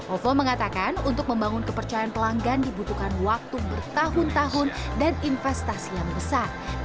ovo mengatakan untuk membangun kepercayaan pelanggan dibutuhkan waktu bertahun tahun dan investasi yang besar